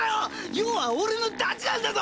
葉は俺のダチなんだぞ！